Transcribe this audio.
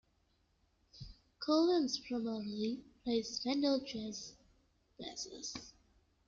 Collins primarily plays Fender Jazz Basses.